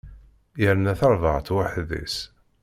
Yerna tarbaɛt weḥd-s.